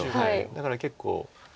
だから結構。